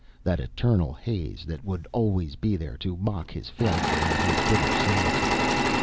That eternal haze that would always be there to mock his failure and his bitter solitude.